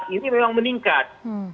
ini memang meningkat